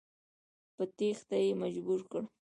په تېښته یې مجبور کړ.